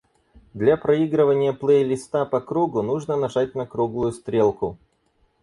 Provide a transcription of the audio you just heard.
Для проигрывания плейлиста по кругу, нужно нажать на круглую стрелку.